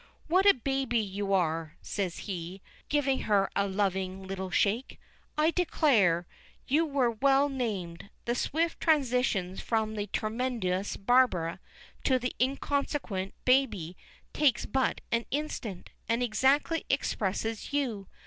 "What a baby you are!" says he, giving her a loving little shake. "I declare, you were well named. The swift transitions from the tremendous 'Barbara' to the inconsequent 'Baby' takes but an instant, and exactly expresses you.